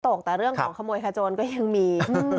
ตกแต่เรื่องของขโมยขโจรก็ยังมี